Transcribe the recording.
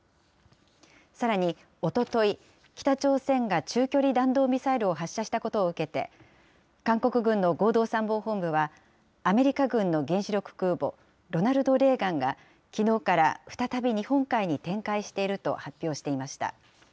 さらにおととい、北朝鮮が中距離弾道ミサイルを発射したことを受けて、韓国軍の合同参謀本部は、アメリカ軍の原子力空母ロナルド・レーガンがきのうから再び日本海に展開していると発表していました。